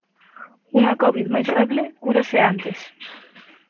Unha covid máis feble cúrase antes.